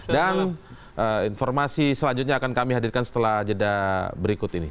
dan informasi selanjutnya akan kami hadirkan setelah jeda berikut ini